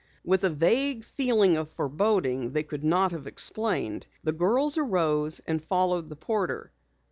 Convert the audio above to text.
With a vague feeling of foreboding they could not have explained, the girls arose and followed the porter.